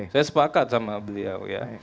saya sepakat sama beliau